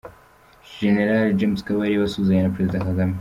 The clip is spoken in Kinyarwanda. Gen James Kabarebe asuhuzanya na Perezida Kagame.